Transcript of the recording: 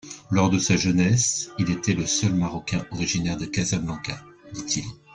Lors de sa jeunesse, il était le seul Marocain originaire de Casablanca, dit-il.